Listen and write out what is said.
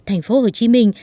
thành phố hồ chí minh